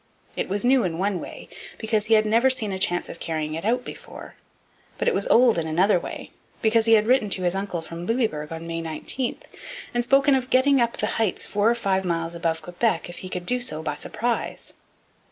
It was new in one way, because he had never seen a chance of carrying it out before. But it was old in another way, because he had written to his uncle from Louisbourg on May 19, and spoken of getting up the heights four or five miles above Quebec if he could do so by surprise.